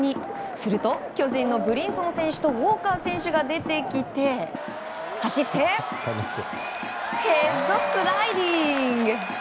すると、巨人のブリンソン選手とウォーカー選手が出てきて走って、ヘッドスライディング！